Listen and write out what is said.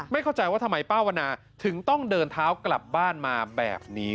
เข้าใจว่าทำไมป้าวนาถึงต้องเดินเท้ากลับบ้านมาแบบนี้